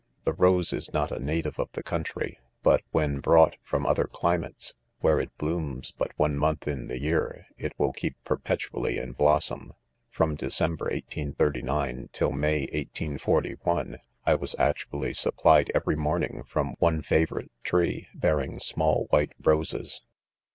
The rose is not a native of the country; but when brought from other climates, where it blooms but one month in the year, it will keep perpetually in blossom. From De ° cember, 1839, till May, 1841, I was actually supplied every morning from one favourite tree^ bearing small white roses.